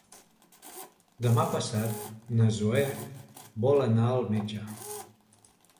Demà passat na Zoè vol anar al metge.